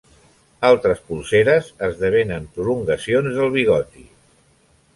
Altres polseres esdevenen prolongacions del bigoti.